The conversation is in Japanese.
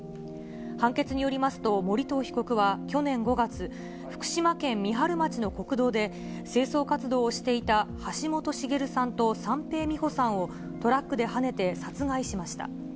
判決によりますと、盛藤被告は去年５月、福島県三春町の国道で、清掃活動をしていた橋本茂さんと三瓶三保さんをトラックではねて殺害しました。